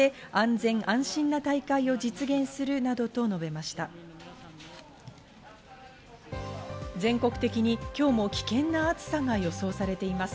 全国的に今日も危険な暑さが予想されています。